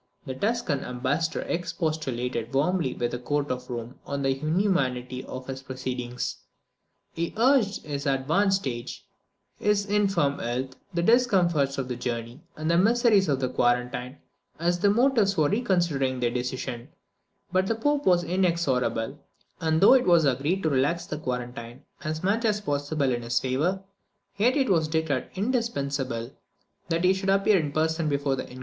The Tuscan ambassador expostulated warmly with the court of Rome on the inhumanity of this proceeding. He urged his advanced age, his infirm health, the discomforts of the journey, and the miseries of the quarantine, as motives for reconsidering their decision: But the Pope was inexorable, and though it was agreed to relax the quarantine as much as possible in his favour, yet it was declared indispensable that he should appear in person before the Inquisition.